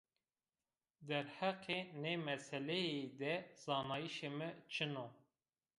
Derheqê nê meseleyî de zanayîşê mi çin o